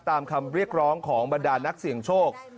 ตามคำเรียกร้องของบรรดานักเสี่ยงโชค